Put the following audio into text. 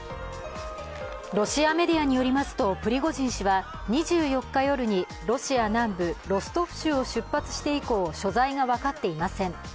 ロシアメディアによりますとプリゴジン氏は２４日夜にロシア南部ロストフ州を出発して以降取材が分かっていません。